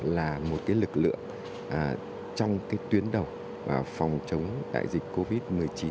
là một cái lực lượng trong cái tuyến đầu phòng chống đại dịch covid một mươi chín